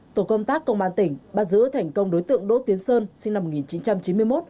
tổ công tác công an tỉnh bắt giữ thành công đối tượng đỗ tiến sơn sinh năm một nghìn chín trăm chín mươi một